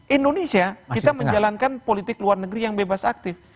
indonesia kita menjalankan politik luar negeri yang bebas aktif